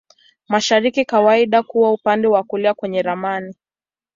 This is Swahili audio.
Mashariki kawaida huwa upande wa kulia kwenye ramani.